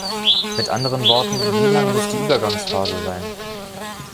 Mit anderen Worten, wie lang muss die Übergangsphase sein?